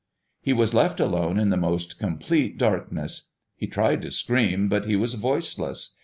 He was left alone in the most complete darkness. He tried to scream, but he was voiceless.